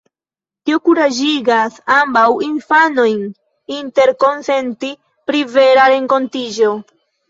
Tio kuraĝigas ambaŭ infanojn interkonsenti pri "vera" renkontiĝo.